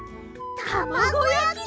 たまごやき！